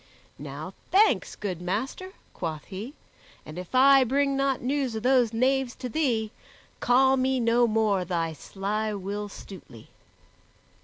"Now thanks, good master," quoth he, "and if I bring not news of those knaves to thee, call me no more thy sly Will Stutely."